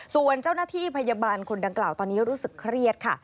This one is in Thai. ส่วนเจ้าหน้าที่พยาบาลคนดังกล่าวตอนนี้รู้สึกเครียดค่ะ